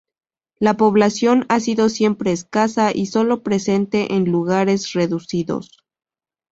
La población ha sido siempre escasa y solo presente en lugares reducidos.